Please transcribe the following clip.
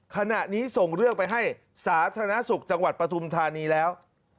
ขณะนี้ส่งเรื่องไปให้สาธารณสุขจังหวัดปฐุมธานีแล้ว